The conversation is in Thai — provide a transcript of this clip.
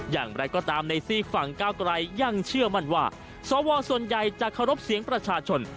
อย่างไรก็ตามในซีกฝั่งก้าวไกลยังเชื่อมั่นว่าสวส่วนใหญ่จะเคารพเสียงประชาชน